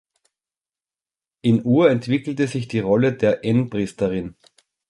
In Ur entwickelte sich die Rolle der En-Priesterin.